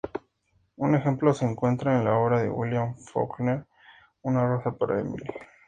Un ejemplo se encuentra en la obra de William Faulkner, Una rosa para Emily.